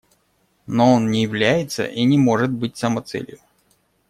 Но он не является и не может быть самоцелью.